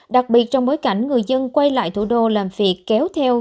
đặc biệt trong bối cảnh người dân quay lại thủ đô làm việc kéo theo